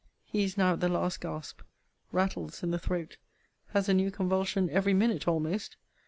He is now at the last gasp rattles in the throat has a new convulsion every minute almost!